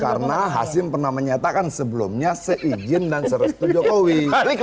karena hasim pernah menyatakan sebelumnya si ijin dan si restu jokowi